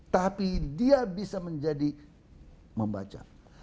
tapi dia bisa menjadi membaca